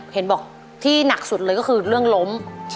เห็นบอกที่หนักสุดเลยก็คือเรื่องล้ม